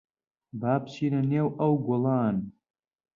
با بچینە نێو ئەو گوڵان.